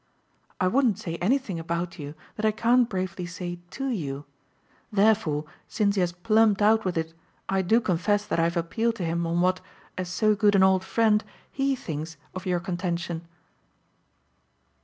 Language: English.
I wouldn't say anything about you that I can't bravely say TO you; therefore since he has plumped out with it I do confess that I've appealed to him on what, as so good an old friend, HE thinks of your contention."